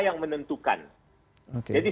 yang menentukan jadi